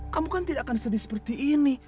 kamu kan tidak akan sedih seperti ini